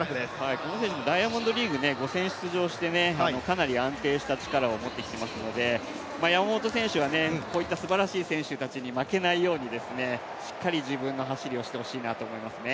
この選手、ダイヤモンドリーグ、５戦連勝してきてかなり安定した力を持ってきていますので、山本選手がこういったすばらしい選手に負けないようにしっかり自分の走りをしてほしいなと思いますね。